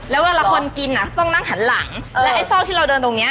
แล้วเวลาคนกินอ่ะต้องนั่งหันหลังแล้วไอ้ซอกที่เราเดินตรงเนี้ย